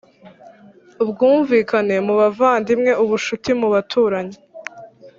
ubwumvikane mu bavandimwe, ubucuti mu baturanyi,